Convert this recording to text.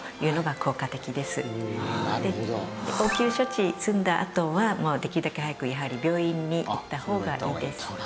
応急処置済んだあとはできるだけ早くやはり病院に行った方がいいです。